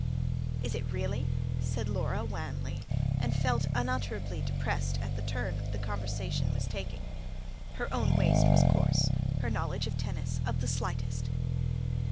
"Is it really?" said Laura wanly, and felt unutterably depressed at the turn the conversation was taking. Her own waist was coarse, her knowledge of tennis of the slightest.